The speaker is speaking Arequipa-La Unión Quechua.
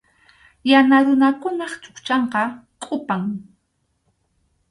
Yana runakunap chukchanqa kʼupam.